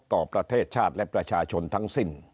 ต่อประเทศชาติและประชาชนทั้งสิ้น